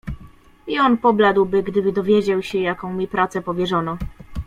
"I on pobladłby, gdyby dowiedział się, jaką mi pracę powierzono."